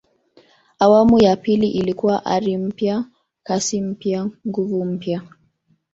awamu ya pili ilikuwa ari mpya kasi mpya nguvu mpya